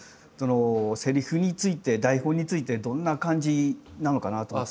セリフについて台本についてどんな感じなのかなと思って。